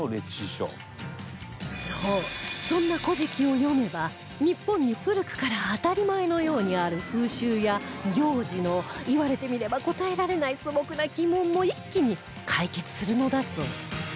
そうそんな『古事記』を読めば日本に古くから当たり前のようにある風習や行事の言われてみれば答えられない素朴な疑問も一気に解決するのだそう